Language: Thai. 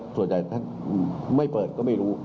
ถ้าไม่เปิดก็ไม่รู้